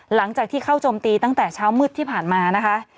หลังจากที่เข้าโจมตีตั้งแต่เช้ามืดที่ผ่านมานะคะ